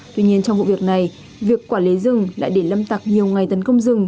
tuy nhiên trong vụ việc này việc quản lý rừng lại để lâm tặc nhiều ngày tấn công rừng